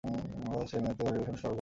তাহাদের ছেলেমেয়েতে বাড়ির উঠান সরগরম।